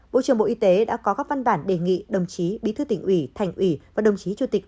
bộ trưởng bộ y tế đã có các văn bản đề nghị đồng chí bí thư tỉnh ủy thành ủy và đồng chí chủ tịch